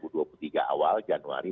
di dua ribu dua puluh tiga awal januari